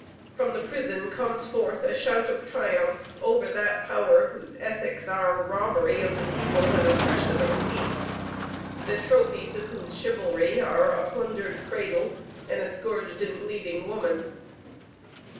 From the prison comes forth a shout of triumph over that power whose ethics are robbery of the feeble and oppression of the weak, the trophies of whose chivalry are a plundered cradle and a scourged and bleeding woman.